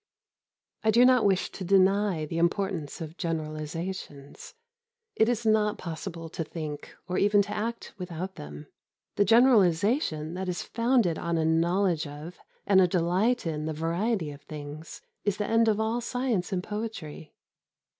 I do not wish to deny the importance of generalisations. It is not possible to think or even to act without them. The generalisation that is founded on a knowledge of and a delight in the variety of things is the end of all science and poetry.